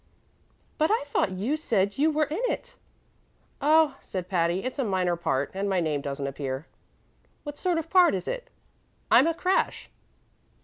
"But I thought you said you were in it?" "Oh," said Patty, "it's a minor part, and my name doesn't appear." "What sort of a part is it?" "I'm a crash."